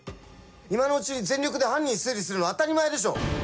今のうちに全力で犯人推理するのは当たり前でしょ！